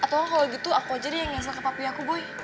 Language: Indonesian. atau kalau gitu aku aja deh yang ngesel ke papi aku buy